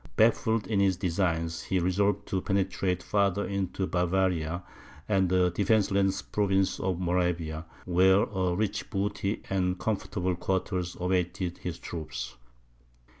Baffled in his designs, he resolved to penetrate farther into Bavaria, and the defenceless province of Moravia, where a rich booty and comfortable quarters awaited his troops.